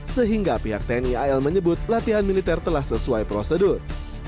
sehingga pihak tni al menyebut latihan militer telah sesuai prosedur